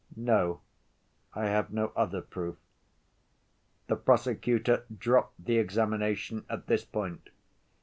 "No, I have no other proof." The prosecutor dropped the examination at this point.